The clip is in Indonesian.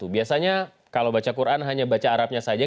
biasanya kalau baca quran hanya baca arabnya saja